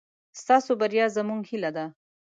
ستاسو بريا زموږ هيله ده.